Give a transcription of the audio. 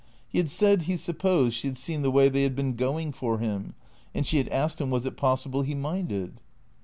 He had said he supposed she had seen the way " they had been going for him," and she had asked him was it possible he minded?